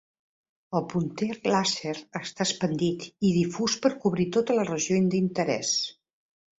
El punter làser està expandit i difús per cobrir tota la regió d'interès.